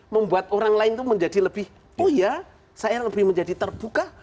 membuat orang lain itu menjadi lebih oh ya saya lebih menjadi terbuka